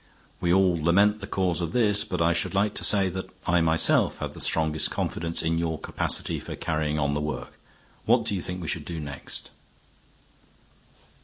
We all lament the cause of this, but I should like to say that I myself have the strongest confidence in your capacity for carrying on the work. What do you think we should do next?"